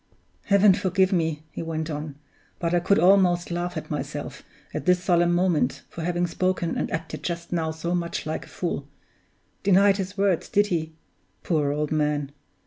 "Heaven forgive me!" he went on, "but I could almost laugh at myself, at this solemn moment, for having spoken and acted just now so much like a fool! Denied his words, did he? Poor old man!